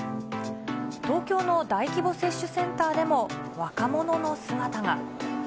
東京の大規模接種センターでも、若者の姿が。